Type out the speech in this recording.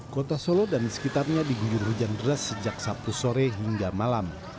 kota solo dan sekitarnya diguyur hujan deras sejak sabtu sore hingga malam